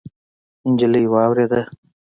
نجلۍ واورېده.